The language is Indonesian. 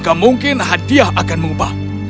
maka mungkin hadiah akan mengubah